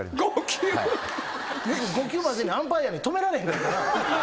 よく５球までにアンパイアに止められへんかったな。